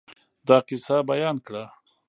دا قصه بیان کړه.